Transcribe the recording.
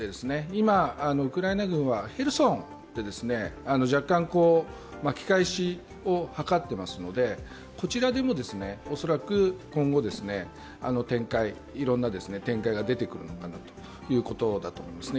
今、ウクライナ軍はヘルソンで、若干巻き返しを図っていますのでこちらでも恐らく今後、いろんな展開が出てくるのかなということだと思います。